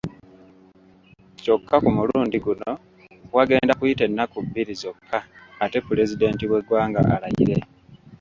Kyokka ku mulundi guno wagenda kuyita ennaku bbiri zokka ate Pulezidenti w'eggwanga alayire